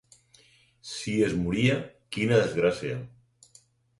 Si es moria, quina desgràcia!